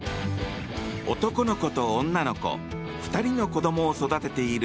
男の子と女の子２人の子どもを育てている